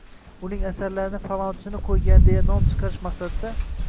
Uning asarlarini “falonchini qo‘ygan” deya nom chiqarish maqsadida